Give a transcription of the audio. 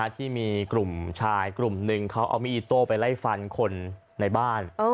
ที่มีกลุ่มชายกลุ่มหนึ่งเขาเอามีดอิโต้ไปไล่ฟันคนในบ้าน